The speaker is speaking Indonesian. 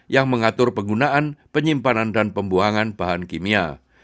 yang mengatur penggunaan penyimpanan dan pembuangan bahan kimia